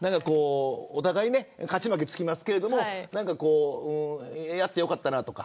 お互い勝ち負けはつきますけどやってよかったなとか。